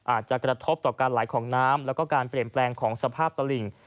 อาจจะกระทบต่อการไหลของน้ำแล้วก็การเปลี่ยนแปลงของสภาพตะหลิ่ง